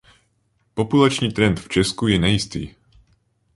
Populační trend v Česku je nejistý.